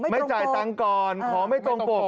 ไม่จ่ายตังค์ก่อนขอไม่ตรงปก